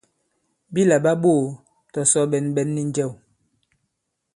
Bi làɓa ɓoō tɔ̀sɔ ɓɛ̀nɓɛ̀n nì njɛ̀w.